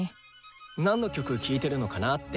なんの曲聴いてるのかなって。